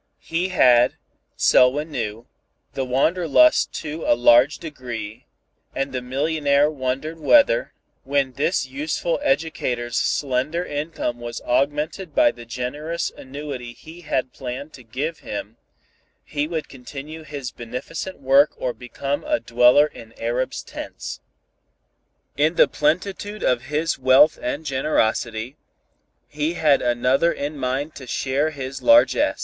He had, Selwyn knew, the wanderlust to a large degree, and the millionaire wondered whether, when this useful educator's slender income was augmented by the generous annuity he had planned to give him, he would continue his beneficent work or become a dweller in arabs' tents. In the plenitude of his wealth and generosity, he had another in mind to share his largess.